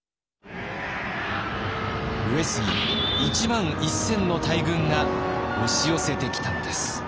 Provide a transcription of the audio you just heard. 上杉１万１千の大軍が押し寄せてきたのです。